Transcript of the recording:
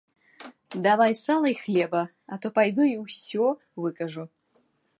Давай сала і хлеба, а то пайду і ўсё выкажу.